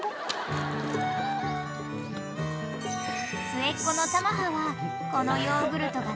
［末っ子の珠葉はこのヨーグルトが］